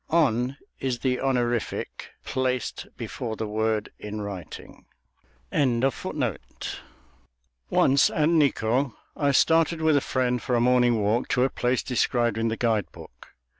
On is the honorific placed before the word in writing. Once, at Nikkō, I started with a friend for a morning walk to a place described in the guide book.